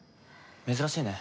珍しいね。